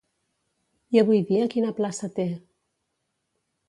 I avui dia quina plaça té?